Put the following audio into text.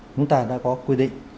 chúng ta đã có quy định